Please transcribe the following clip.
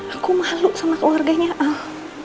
aku malu sama keluarganya al